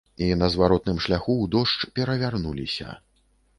І на зваротным шляху ў дождж перавярнуліся.